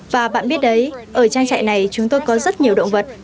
và bạn biết đấy ở trang trại này chúng tôi có rất nhiều động vật